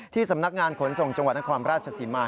สำนักงานขนส่งจังหวัดนครราชศรีมา